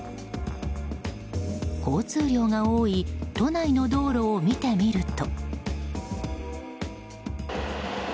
交通量が多い都内の道路を見てみると。